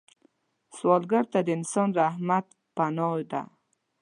سوالګر ته د انسان رحمت پناه ده